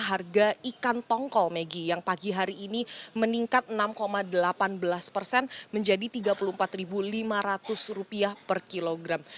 harga ikan tongkol megi yang pagi hari ini meningkat enam delapan belas persen menjadi rp tiga puluh empat lima ratus per kilogram